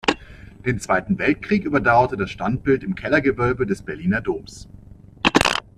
Den Zweiten Weltkrieg überdauerte das Standbild im Kellergewölbe des Berliner Doms.